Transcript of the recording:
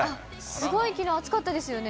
すごい、きのう暑かったですよね。